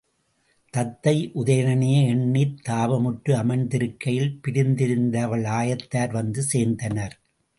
தத்தை உதயணனையே எண்ணித் தாபமுற்று அமர்ந்திருக்கையில் பிரிந்திருந்த அவள் ஆயத்தார் வந்து சேர்ந்தனர்.